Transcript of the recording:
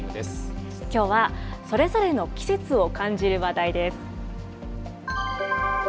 きょうは、それぞれの季節を感じる話題です。